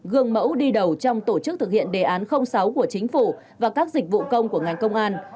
gương mẫu đi đầu trong tổ chức thực hiện đề án sáu của chính phủ và các dịch vụ công của ngành công an